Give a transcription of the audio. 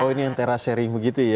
oh ini yang terasering begitu ya